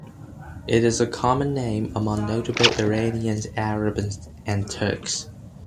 It is a common name among notable Iranians, Arabs and Turks.